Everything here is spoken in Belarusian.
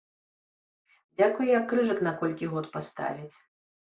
Дзякуй, як крыжык на колькі год паставяць.